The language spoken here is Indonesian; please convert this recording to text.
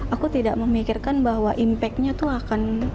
aku tidak memikirkan bahwa impact nya tuh akan